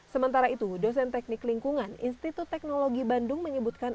sementara itu dosen teknik lingkungan institut teknologi bandung menyebutkan